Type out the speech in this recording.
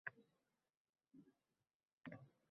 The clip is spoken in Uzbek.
Avliyo qabridan noyob kitoblar topildi